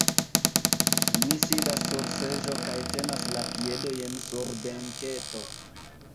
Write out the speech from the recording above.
Mi sidas sur seĝo kaj tenas la piedojn sur benketo.